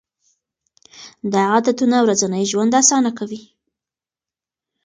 دا عادتونه ورځنی ژوند اسانه کوي.